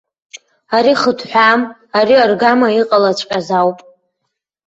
Ари хыҭҳәаам, ари аргама иҟалаҵәҟьаз ауп.